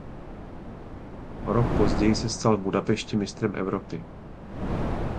O rok později se stal v Budapešti mistrem Evropy.